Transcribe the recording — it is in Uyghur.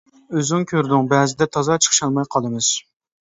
ئۆزۈڭ كۆردۈڭ بەزىدە تازا چىقىشالماي قالىمىز.